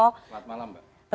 selamat malam mbak